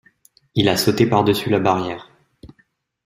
Il a sauté par-dessus la barrière.